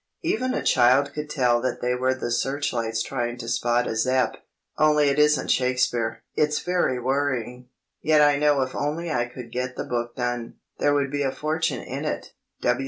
"Even a child could tell you they were the searchlights trying to spot a Zepp.—only it isn't Shakespeare! It's very worrying. Yet I know if only I could get the book done, there would be a fortune in it.